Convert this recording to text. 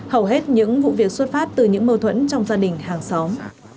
hầu hết những vụ việc xuất phát từ những mâu thuẫn trong gia đình hàng xóm